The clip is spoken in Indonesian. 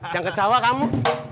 jangan kecewa kamu